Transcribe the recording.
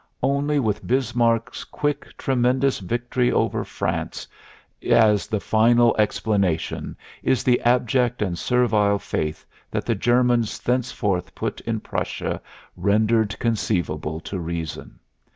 Only with Bismarck's quick, tremendous victory over France as the final explanation is the abject and servile faith that the Germans thenceforth put in Prussia rendered conceivable to reason.